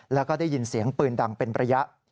แล้วก็ได้ยินเสียงปืนดังเป็นระยะ